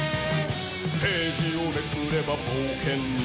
「ページをめくれば冒険に」